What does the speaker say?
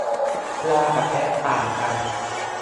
ลากับแพะต่างกัน